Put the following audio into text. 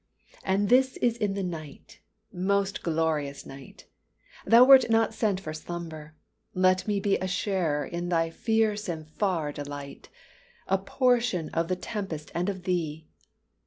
And this is in the night: Most glorious night! Thou wert not sent for slumber! let me be A sharer in thy fierce and far delight, A portion of the tempest and of thee!